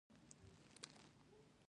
زه ډاډه ووم، که چېرې روان پاتې شم.